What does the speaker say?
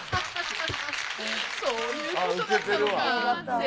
そういうことだったのか。